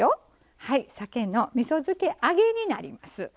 さけのみそ漬け揚げになります。